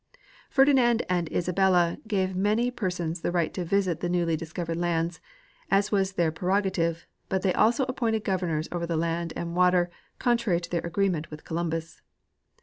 Ferdinand and Isabella gave many persons the right to visit the new discovered lands, as was their prerogative, but they also appointed governors over the land and water, contrary to thei* agreement with Columbus.